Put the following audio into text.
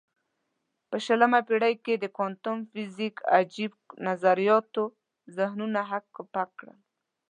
په شلمه پېړۍ کې د کوانتم فزیک عجیب نظریاتو ذهنونه هک پک کړل.